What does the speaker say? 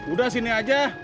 udah sini aja